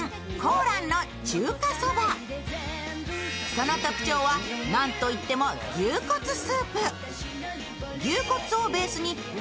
その特徴は何といっても牛骨スープ。